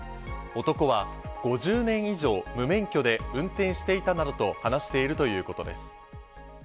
男は５０年以上無免許で運転していたなどと話しているということです。